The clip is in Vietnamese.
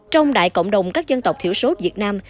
trong đại cộng đồng các dân tộc thiểu số việt nam